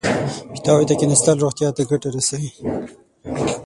پیتاوي ته کېناستل روغتیا ته ګټه رسوي.